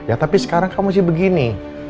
ya tapi sekarang kamu masih begini